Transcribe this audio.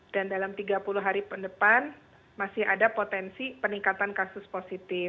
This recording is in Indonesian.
dan dalam tiga puluh hari depan masih ada potensi peningkatan kasus positif